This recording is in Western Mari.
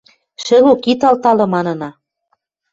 Шӹлок, ит алталы! – манына.